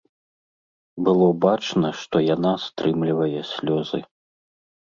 Было бачна, што яна стрымлівае слёзы.